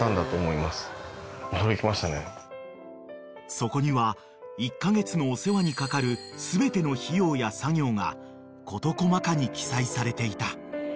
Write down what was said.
［そこには１カ月のお世話にかかる全ての費用や作業が事細かに記載されていた］